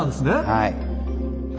はい。